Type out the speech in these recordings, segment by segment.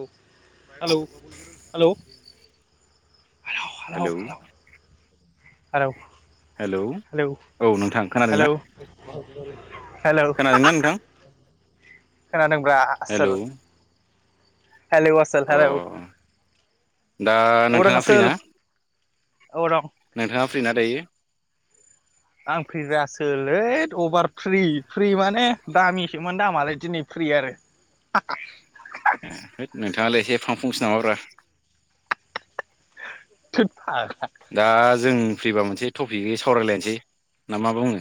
औ hello hello hello hello hello hello hello औ नोंथां खोनादों हेलौ ना? [inaudible] खोनादों ना नोंथां खोनादोंब्रा हेलौ आसोल हेलौ आसोल अ हेल दा औ रं नोंथाङा फ्रि ना आसोल औ रं नोंथाङा फ्रि ना दायो आं फैग्रासोलै अभार फ्रि फ्रि माने दामिसोमोन दामालाय दिनै फ्रि आरो हो नोंथाङालाय एसे फां फुंसो नङाब्रा थ [unintelligible] दा जों फैबा मोनसे टपिकै सावरायलायनोसै ना मा बुङो?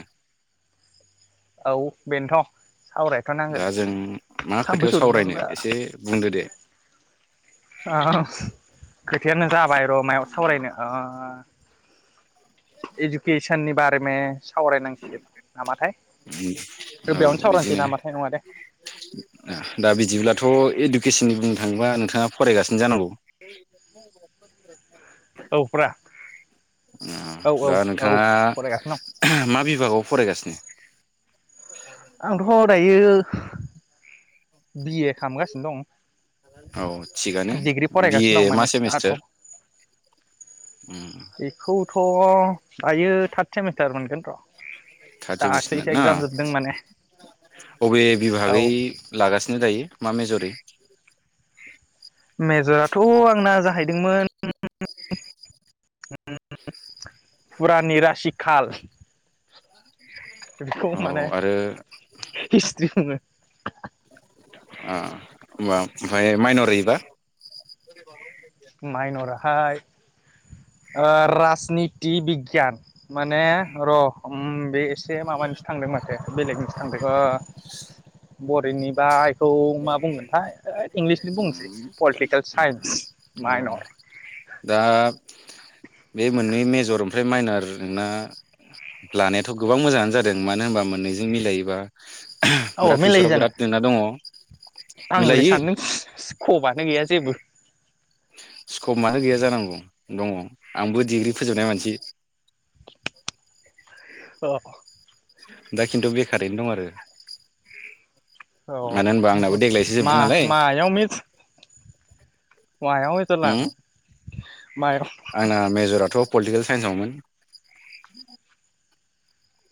औ बेनोथ' सावरायथ' नांगोन दा जों मा थाम्फै खोथायाव सौदों सावरायनो नामाब्रा एसे बुंदो दे। ओ खोथायानो [unintelligible] र'मायाव सावरायनो ओ आा एजुकेसन नि बारे मे सावरायनांसिगोन नामाथाय औ बेयावनो सावरायनोसै बिदिनो नामाथाय नङा दे दा बिदिब्लाथ' केसननि बुंनो थाङोबा नोंथाङा फरायगासिनो जानांगौ। औफ्रा दा फरायगासिनो दं नोंथाङा मा बिभागाव फरायगासिनो? आंथ हर दायो बिए खालामगासिनो औ थिगानो दं डिग्रि बिए फरायगासिनो दं मा माने दाथ' सेमिस्टार एखौ थ' दायो थार्ड सेमिस्टार मोनगोन र' दाख्लैसो [unintelligible] ना एगजाम जोबदों माने अबे बिभागै औ लागासिनो दायो? मा मेजरि? मेजराथ' आंना [inaudible] फुरानि रासि खाल बेखौ औ माने आरो हिस्ट्रि बुङो। [inaudible] आ होमबा ओमफ्राय माइनरैबा? माइन'रा हाय ओ राजनिति बिगियान। माने र उम्म बे से माबानिसो थांदों माथो बेलेगनिसो थांदों ओ ओरैनिबा थ' मा बुंगोनथाय इंलिसनि बुंसै पलिटिकेल साइन्स। औ माइनर दा बे मोननै मेजर ओमफ्राय माइनार नोंना लानायाथ' गोबां मोजाङानो जादों मानो होनबा मोननैजों मिलायोबा औ बिराद मेनलायो फिउचाराव जानो बिराद तेंना दङ। आंलाय मिलायो सानदों सिखबानो गैया‌ जेबो। स्कप मानो गैया जानांगौ दङ आंबो डिग्रि फोजोबनाय मानसि अ दा खिन्थु बेखारैनो दं आरो औ मानो होनबा आंनाबो देग्लायसो मा जोबदों नालाय मा मायाव मे मायाव मेजर उम लानाय मायाव आंना मेजराथ' पलिटिकेल साइन्सआवमोन।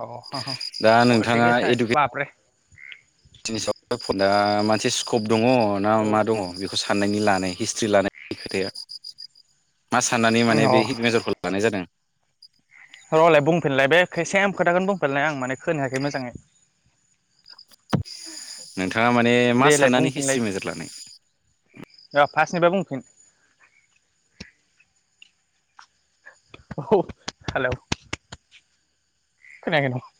अ दा फलथिखेल साइन्स बाबरे। निस दा मोनसे स्किप दङ ना औ मा दङ? साननायनि लानाय हिस्ट्रि लानायनि खोथाया? मा साननानै अ माने बे हिट मेजरखौ लानाय जादों। रलाय बुंफिनलाय बे सेम खोथाखौनो बुंफिननाय आं माने खोनायाखै मोजाङै। नोंथां माने मा देलाय साननानै हिस्ट्रि मेजर लानाय? औ फार्स्टनिफाय बुंफिन। औ हेलौ खोनायाखै नामा?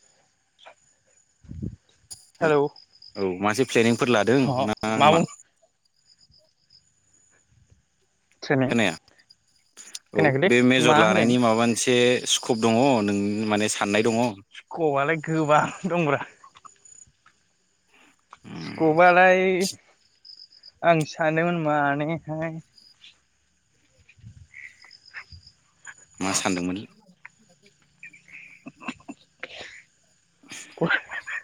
[inaudible] हेलौ औ मासे प्लेनिंफोर लादों अ ना बुं मा? ट्रेनिं खोनाया औ खोनायाखैलै बे मेजर मा होनदों लानायनि माबा मोनसे स्कप दङ नों माने साननाय दङ स्खबालाय गोबां दंब्रा स्खबालाय आं सानोमोन मानेहाय मा सानदोंमोन। [unintelligible]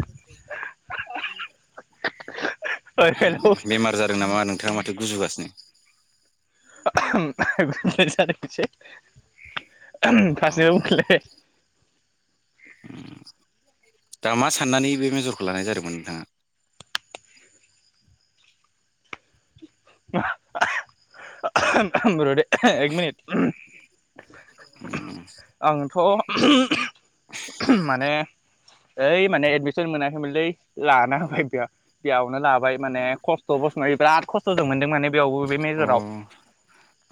[inaudible] ओइ हेलौ बेमार जादों नामा नोंथाङा माथो गुजुगासिनो। [unintelligible] गुजुनाय जादों एसे। अ फारसेनिफ्राय बुंफिनलाय। दा मा साननानै बे मेजरखौ लानाय जादोंमोन नोंथाङा। मा [unintelligible] र दै। हो एक मिनिट। आंथ' [unintelligible] माने ओइ माने एदमिसन मोनाखैमोनलै लाना होबाय बे बेयावनो ला बाय माने खस्थ ब मा बिराद ख मोनदों माने बेयावबो बे अ मेजराव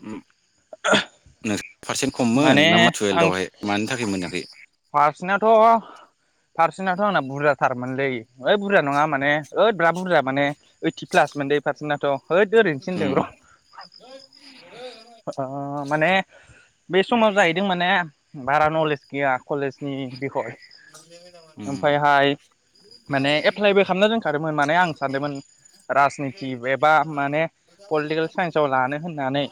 नोंथां पारसेन्ट खममोन माने नामा आं टुयेल्थआवहाय मानि थाखाय मोनाखै आंनाथ' पारसेनाथ' आंना बुरजाथारमोनलै ओइ बुरजा नङा माने ओइ बिराद बुरजा माने ओइटि प्लास मोनलै पारसेन्टाथ' होयद ओरैनोसोहोनदोंर' अ माने बे समाव जाहैदों माने भारा न'लेज गैया कलेजनि बिखय उम ओमफायहाय माने एप्लाइबो खामना दोनखादोंमोन माने आं सानदोंमोन राजनिति एबा माने पलिटिकेल साइन्साव लानो होननानै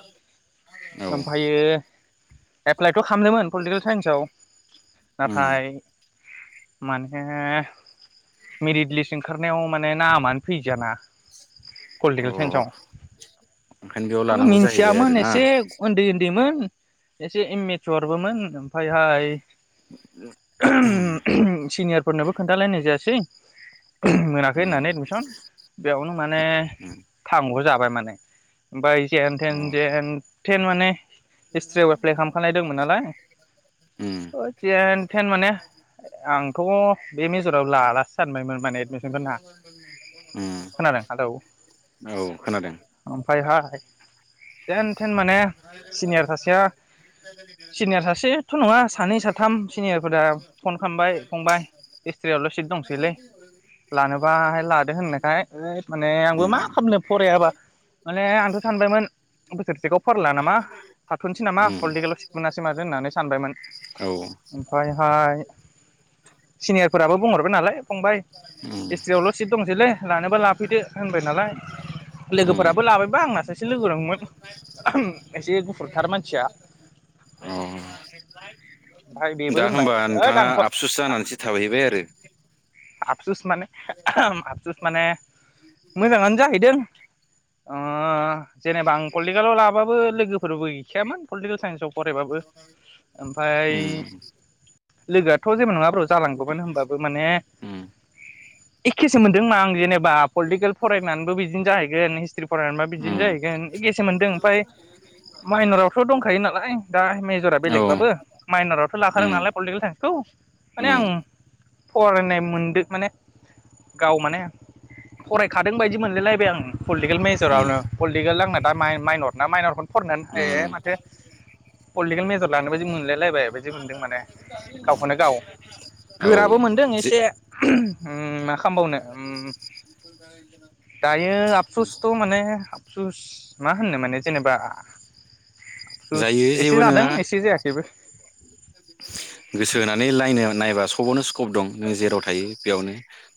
औ ओमफ्रायो एप्लाइथ' खामदोंमोन पलिटिकेल साइन्सआव उम नाथाय माने मेरिट लिस्ट ओंखारनायाव माने नामानो फैदियाना अ पलिटिकेल साइन्सआव ओंखायनो बेयाव लानांगौ जा मिथियामोन एसे उन्दै उन्दैमोन एसे इममेचरबोमोन ओमफ्रायहाय सिनियरफोरनोबो खोन्थालायनाय जायासै मोनाखै उम होननानै एडमिसन बेयावनो माने उम थांग' जाबाय माने ओमफ्राय जेन टेन देन अ जेन माने हिस्ट्रियाव एप्लाइ खालामखानाय दंमोन नालाय उम जेन टेन माने आंथ' बे मेजराव लालासो सानबायमोन माने एडमिसनफोरा उम खोनादों हेलौ औ खोनादों ओमफायहाय जेन थेन माने सिनियर सासेया सिनियर सासेथ' नङा सानै साथाम सिनियरफोरा फन खालामबाय फंबाय एसट्रियावल' सिट दंसैलै लानोबाहाय लादो होननायखाय इ माने आंबो उम मा खालामनो फरायाबा माने आंथ' सानबायमोन बोसोरसेखौ फरायला नामा थाथ'नोसै नामा उम पलिटिकेलाव सिट मोनासै मादो होननानै सानबायमोन औ ओमफ्रायहाय सिनियरफोराबो बुंहरबाय नालाय फंबाय उम हिसट्रि आवल' सिट दंसैलै लानोबा लाफैदो होनबाय नालाय उम लोगोफोराबो लाबायबा आंना सासे लोगो दंमोन। एसे गुफुरथार मानसिया अ ओमफाय बेबो दा होनबाय होमबा ओद नोंथाङा आंथ' आफसुस जानानैसो थाबैबाय आरो? आबसुस माने आबसुस माने मोजाङानो जाहैदों ओ जेनेबा आं पलिटिकेलाव लाबाबो लोगोफोरबो गैखायामोन पलिटिकेल साइन्सआव फरायबाबो ओमफाय उम लोगोआथ' जेबो नङार जालांगौमोन होनोमबाबो माने उम एखेसो मोनदोंमा आं जेनेबा पलिटिकेल फरायनानैबो बिदिनो जाहैगोन हिस्ट्रि फरायनानैबो बिदिनो उम जाहैगोन एखेसो मोनदों ओमफ्राय माइनरावथ' दंखायो नालाय दा मेजरा औ बेलेगबाबो माइनरावथ' लाखादों उम नालाय पलिटिकेल साइन्सखौ माने आं उम फरायनाय मोनदों माने गाव माने फरायखादों बायदि मोनलाय लायबाय आं पलिटिकेल उम मेजरावनो पलिटिकेल आंना दा माइनर ना माइनरखौनो उम फरायनानै माथो पलिटिकेल मेजर लानाय बायदि मोनलाय लायबाय बायदि मोनदों माने गावखौनो गाव औ गोराबो मोनदों जे एसे। मा खालामबावनो उम दायो आबसुसथ' माने आबसुस मा होननो माने जेनेबा जुस जायो एसे जेबो जादों नङा एसे जा बेबो गोसो होनानै नायनो नायबा सबावनो स्कप दं नोङो जेराव थायो बेयावनो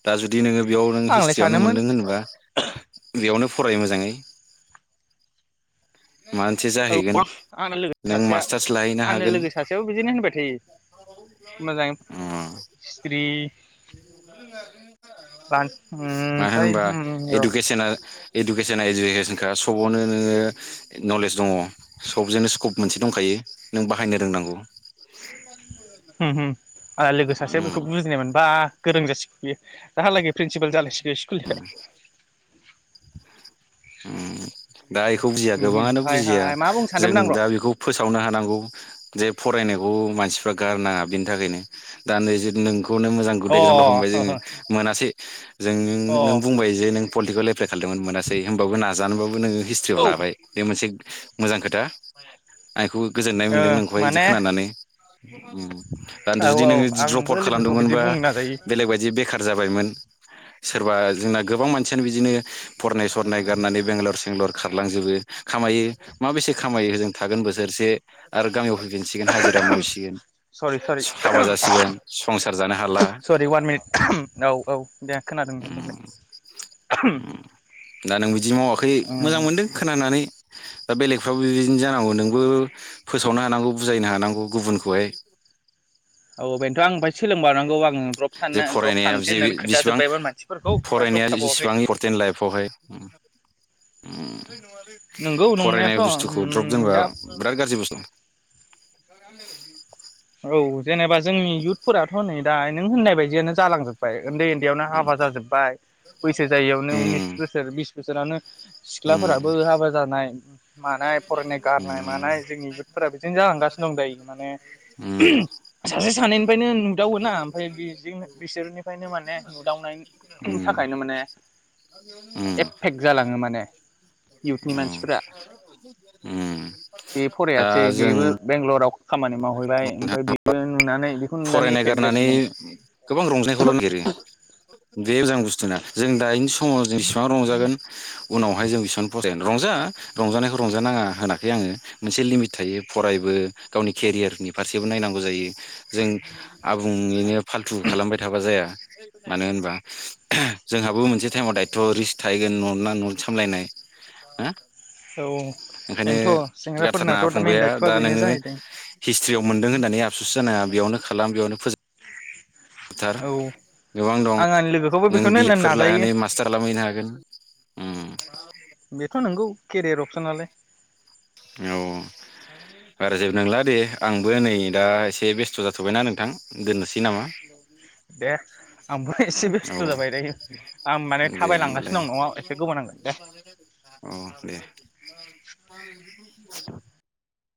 दा जुदि नोङो बेयाव नों आंलाय हिस्ट्रियावनो सानोमोन मोनदों होनोबा बेयावनो फराय मोजाङै माबा मोनसे जाहैगोन औ आंना लोगो नों सासेया मास्टार्स लाहैनो आंना हागोन लोगो सासेयाबो बिदिनो होनबाय थायो मोजां उम हिसथ्रि मानो ओमफ्राय होनबा एडुकेसना इडुकेसना इडुकेसनखा सबावनो नोङो नलेज दङ, सबजोंनो स्कप मोनसे दंखायो नों बाहायनो रोंनांगौ। होम होम। आ लोगो सासे बेखौ उम बुजिनाय मोनबा गोरों जासिगौ बे दाहालागै प्रिन्सिपाल जालायसिगौ। स्कुलनि। [unintelligible] दा इखौ बुजिया गोबाङानो बुजिया। ओमफ्रायहाय मा बुंनो जों सानदोंमोन दा बेखौ फोसावनो हानांगौ जे फरायनायाव अ मानसिफ्रा गारनाङा बिनि थाखायनो दा नै जुदि नोंखौ नो मोजां गुद आं एक्जामाव हमबाय जों र' अ मोनासै जों अ औ नों बुंबाय जे नों पलिटिकेल एप्लाइ खालामदोंमोन मोनासै होमबाबो नाजानोबाबो नोङो हिस्ट्रियाव लाबाय बे मोनसे मोजां खोथा। आं बेखौ गोजोननाय मोन्दों नोंखौहाय बिदि माने खोनानानै। दा औ जुदि औ नोङो द्रप आंबो आउट लोगोखौ बिदि खालामदोंमोनबा बुंनो नाजायो बेलेग बायदि बेखार जाबायमोन। सोरबा जोंना गोबां मानसियानो बिदिनो फरायनाय सम गारनानै बेंगलर सेंलर खारलांजोबो खामायो। मा बेसे खामायो होजों थागोन बोसोरसे आरो गामियाव फैफिसिगोन हाजिरा मावसिगोन, सरि सरि हाबा जासिगोन, संसार जानो हाला सरि वान मिनिट औ औ दे खोनादों दे उम दा नों बिदि मावाखै बुंदो मोजां मोनदों खोनानानै। दा बेलेगफ्राबो बिदिनो जानांगौ नोंबो फोसावनो हानांगौ बुजायनो हानांगौ गुबुनखौहाय। औ बेनोथ' आं ओमफ्राय सोलोंबावनांगौ आं। द्रप जे साननो द्रप फरायनाया थानोसै जे होननानै बिसेबां खोन्थाजोब्बायमोन मानसिफोरखौ ओमफ्राय द्रप फरायनाया थाबावाखै जेसेबां इम्परटेन्ट लाइफआवहाय। नंगौ नंनायाथ' फरायनाय बुस्थुखौ द्रप उम दोनबा दा बिराद गाज्रि बुस्थु। फ्रायाथ' नै दा नों होननाय बायदियानो जालांजोब्बाय। उन्दै उन्दैयावनो हाबा जाजोब्बाय, बैसो जायैयावनो उनिस उम बोसोर बिस बेसोरानो उम सिख्लाफोराबो हाबा जानाय दा मानाय जों फरायनाय गारनाय मानाय जोंनि युथफोरा बिदिनो जालांगासिनो दं दायो माने सासे सानैनिफ्रायनो नुदावो ना ओमफाय बेसेंनो बिसोरनिफ्रायनो माने नुदावनायनि थाखायनो माने [unintelligible] उम नो इउथनि मानसिफोरा बे फरायासै बेबो बेंल'राव खामानि मावहैबाय फै बेबो नुनानै बेखौ नुनानै फरायनाय एफेक्ट गारनानै जासिगोन गोबां रंजानायखौल' नागिरो। बे मोजां बुस्थुना जों दायोनस समाव जेसेबां रंजागोन उनावहाय जों बिसबांनो फराय रंजा रंजानायखौ रंजानाङा होनाखै आङो मोनसे लिमिट थायो फरायबो गावनि केरियारनि फारसेबो नायनांगौ जायो। जों आबुङैनो फाल्थु खालामबाय थाबा जाया। ओ मानो होनबा जोंहाबो मोनसे टाइमाव दायथ' रिस्क थाहैगोन न'ना न' सामलायनाय ओ औ ओंखायनो बेनोथ' गारथारनाङा सेंग्राफोरनाथ' मेन फंबाया दायथ'आ दा बेनो नोङो जाहैदों हिस्ट्रियाव मोनदों होननानै आसुस जानाङा बेयावनो खालाम बेयावनो फोज थार औ गोबां दं आं आंनि लोगोखौबो नों बेखौनो होननानै बिएडफोर नाजायो लानानै मास्टार खालामहैनो हागोन। उम बेथ' नंगौ। केरियार अपसनालाय औ बारा जेबबो नांला दे आंबो नै दा एसे बेस्थ' जाथ'बायना नोंथां दोननोसै नामा? दे आंबो एसे औ बेस्थ' जाबाय नै दायो आं माने दे होमबालाय थाबायलांगासिनो दं न'आव एसे गोबाव नांगोन दे औ दे